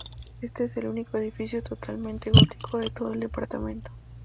Este es el único edificio totalmente gótico de todo el departamento.